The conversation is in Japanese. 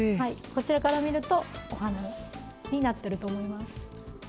こちらから見るとお花になっていると思います。